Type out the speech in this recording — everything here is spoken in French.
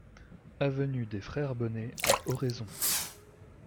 Avenue des Frères Bonnet à Oraison